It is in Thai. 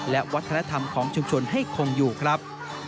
และวัฒนธรรมของชุมชนให้คงอยู่ครับ